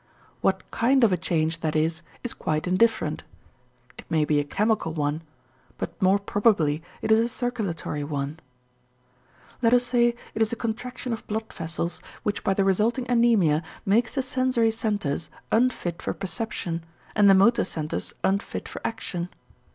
What kind of a change that is, is quite indifferent. It may be a chemical one but more probably it is a circulatory one. Let us say it is a contraction of blood vessels which by the resulting anæmia makes the sensory centers unfit for perception and the motor centers unfit for action.